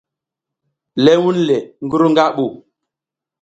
Le wunle ngi ru nga ɓu.